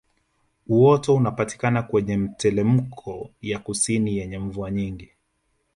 Uoto unapatikana kwenye mitelemko ya kusini yenye mvua nyingi